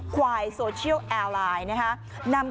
ควายโซเชียลแอร์ไลน์นะคะ